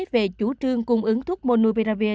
về chủ trương cung ứng thuốc monopiravir